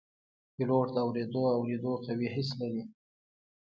پیلوټ د اوریدو او لیدو قوي حس لري.